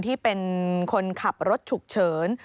ที่เป็นคนขับรถฉุกเฉิน